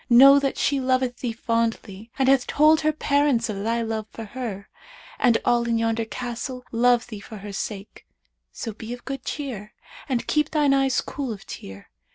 Know that she loveth thee fondly and hath told her parents of thy love for her, and all in yonder castle love thee for her sake; so be of good cheer and keep thine eyes cool of tear.'